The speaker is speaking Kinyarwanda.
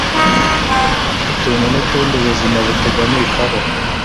Utuntu n'Utundi ubuzima butuganishaho